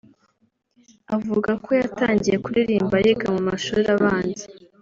Avuga ko yatangiye kuririmba yiga mu mashuri abanza